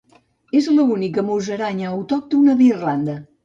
És l'única musaranya autòctona d'Irlanda.